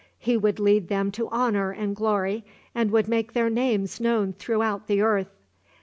He would lead them to honor and glory, and would make their names known throughout the earth.